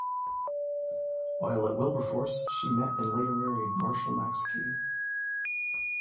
While at Wilberforce she met and later married Marshall Maxeke.